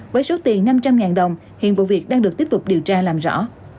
với số tiền năm trăm linh đồng hiện vụ việc đang được tiếp tục điều tra làm rõ